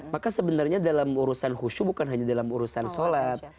maka sebenarnya dalam urusan khusyu bukan hanya dalam urusan sholat